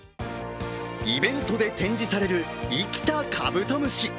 イベントで展示される生きたカブトムシ。